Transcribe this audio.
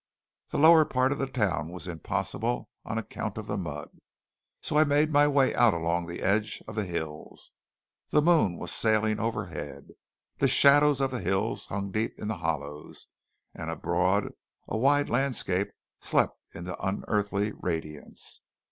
The lower part of the town was impossible on account of the mud, so I made my way out along the edge of the hills. The moon was sailing overhead. The shadows of the hills hung deep in the hollows; and, abroad, a wide landscape slept in the unearthly radiance.